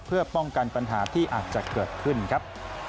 เพื่อป้องกันปัญหาที่อาจจะเกิดขึ้นครับ